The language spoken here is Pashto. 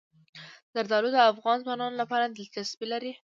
زردالو د افغان ځوانانو لپاره دلچسپي لري.